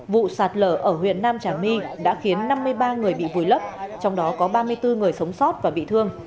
vụ sạt lở ở huyện nam trà my đã khiến năm mươi ba người bị vùi lấp trong đó có ba mươi bốn người sống sót và bị thương